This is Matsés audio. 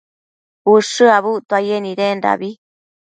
ushË abuctuaye nidendabi